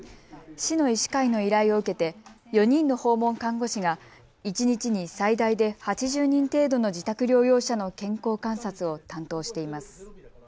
市の医師会の依頼を受けて４人の訪問看護師が一日に最大で８０人程度の自宅療養者の健康観察を担当しています。